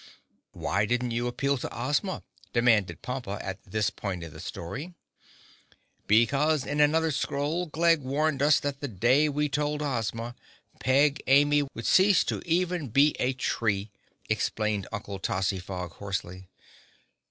"Why didn't you appeal to Ozma?" demanded Pompa at this point in the story. "Because in another scroll Glegg warned us that the day we told Ozma, Peg Amy would cease to even be a tree," explained Uncle Tozzyfog hoarsely.